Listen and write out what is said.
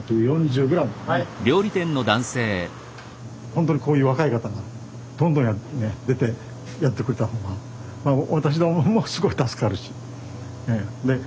ほんとにこういう若い方がどんどん出てやってくれた方がまあ私どももすごい助かるしええ。